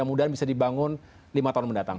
dan mudah bisa dibangun lima tahun mendatang